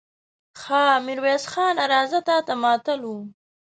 ها! ميرويس خان! راځه، تاته ماتله وو.